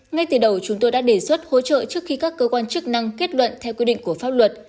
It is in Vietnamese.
ngay từ đầu chúng tôi đã đề xuất hỗ trợ trước khi các cơ quan chức năng kết luận theo quy định của pháp luật